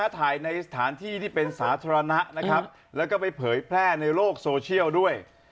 ถ่ายในสถานที่ที่เป็นสาธารณะนะครับแล้วก็ไปเผยแพร่ในโลกโซเชียลด้วย